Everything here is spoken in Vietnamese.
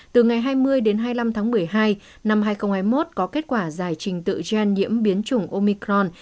từ ngày hai mươi đến hai mươi năm tháng một mươi hai năm hai nghìn hai mươi một có kết quả giải trình tự gen nhiễm biến chủng omicron